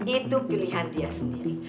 itu pilihan dia sendiri